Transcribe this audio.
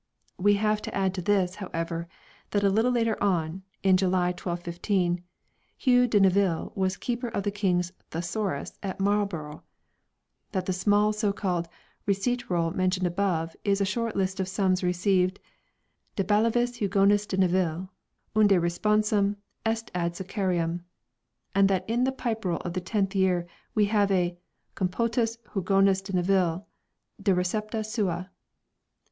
We have to add to this, however, that a little later (in July, 1215) Hugh de Nevill' was keeper 3 of the King's " Thesaurus " at Marlborough ; that the small so called Receipt Roll mentioned above is a short list of sums received "de ballivis Hugonis de Nevill' unde re sponsum est ad Scaccarium "; and that in the Pipe Roll of the tenth year we have a " Compotus Hugonis de Nevill' de Recepta sua